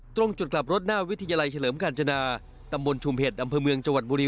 ตรงจุดกลับรถหน้าวิทยาลัยเฉลิมกาญจนาตำบลชุมเห็ดอำเภอเมืองจังหวัดบุรี